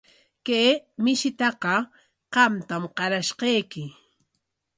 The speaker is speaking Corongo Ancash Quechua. Kay mishitaqa qamtam qarashqayki.